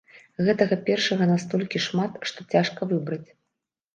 Гэтага першага настолькі шмат, што цяжка выбраць.